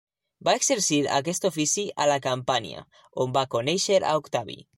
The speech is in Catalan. Va exercir aquest ofici a la Campània, on va conèixer a Octavi.